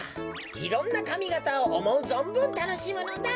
いろんなかみがたをおもうぞんぶんたのしむのだ。